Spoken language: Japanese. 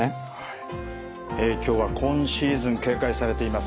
今日は今シーズン警戒されています